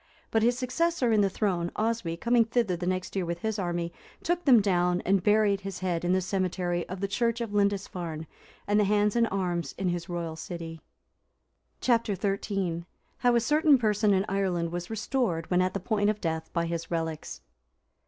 But his successor in the throne, Oswy, coming thither the next year with his army, took them down, and buried his head in the cemetery of the church of Lindisfarne,(350) and the hands and arms in his royal city.(351) Chap. XIII. How a certain person in Ireland was restored, when at the point of death, by his relics.